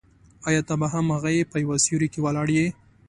آیا ته به هم هغه یې په یو سیوري کې ولاړ یې.